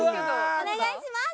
お願いします！